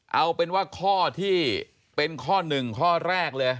เอาเป็นว่าข้อที่เป็นข้อหนึ่งข้อแรกเลย